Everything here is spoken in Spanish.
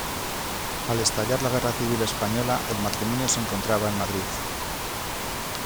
Al estallar la guerra civil española, el matrimonio se encontraba en Madrid.